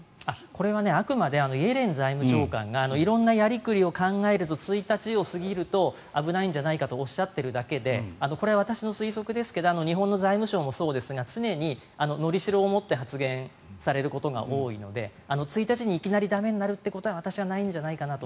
これは、あくまでイエレン財務長官が色んなやりくりを考えると１日を過ぎると危ないんじゃないかとおっしゃっているだけでこれは私の推測ですが日本の財務省もそうですが常にのりしろを持って発言されることが多いので１日にいきなり駄目になるってことは私はないんじゃないかと。